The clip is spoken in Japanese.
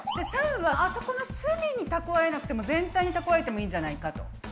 ③はあそこの隅にたくわえなくても全体にたくわえてもいいんじゃないかと。